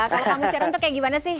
kalau kamu siaran tuh kayak gimana sih